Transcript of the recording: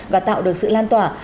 và tạo được sự lan tỏa